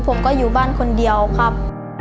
ผมก็อยู่บ้านคนเดียวครับ